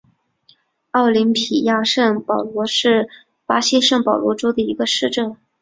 奥林匹亚圣保罗是巴西圣保罗州的一个市镇。